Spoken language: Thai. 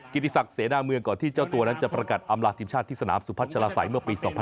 ติศักดิเสนาเมืองก่อนที่เจ้าตัวนั้นจะประกาศอำลาทีมชาติที่สนามสุพัชลาศัยเมื่อปี๒๕๖